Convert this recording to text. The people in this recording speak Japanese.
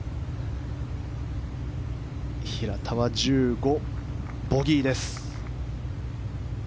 平田は１５、ボギーです。